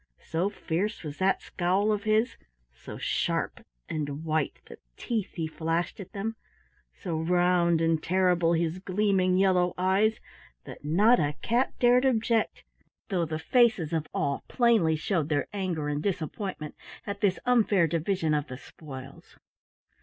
So fierce was that scowl of his, so sharp and white the teeth he flashed at them, so round and terrible his gleaming yellow eyes that not a cat dared object, though the faces of all plainly showed their anger and disappointment at this unfair division of the spoils.